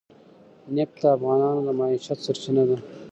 نفت د افغانانو د معیشت سرچینه ده.